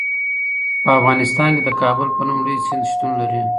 په افغانستان کې د کابل په نوم لوی سیند شتون لري.